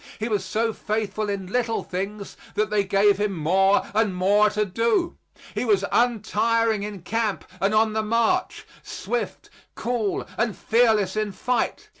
He was so faithful in little things that they gave him more and more to do. He was untiring in camp and on the march; swift, cool and fearless in fight.